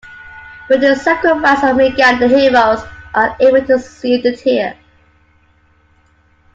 With the sacrifice of Meggan, the heroes are able to seal the tear.